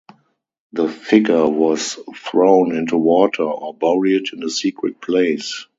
The figure was thrown into water or buried in a secret place.